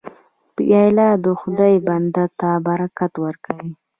پیاله د خدای بنده ته برکت ورکوي.